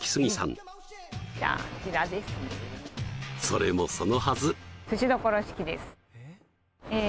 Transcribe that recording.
それもそのはず頼む